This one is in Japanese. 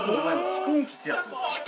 蓄音機ってやつです。